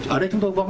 ở đây chúng tôi